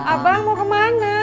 abang mau kemana